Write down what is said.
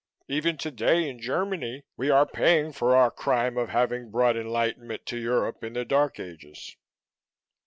Even today in Germany, we are paying for our crime of having brought enlightenment to Europe in the Dark Ages."